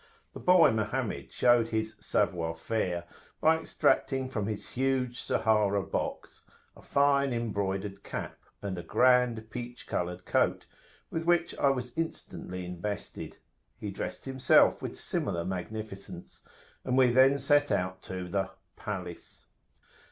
The boy Mohammed showed his savoir faire by extracting from his huge Sahara box a fine embroidered cap, and a grand peach coloured coat, with which I was instantly invested; he dressed himself with similar magnificence, and we then set out to the "palace."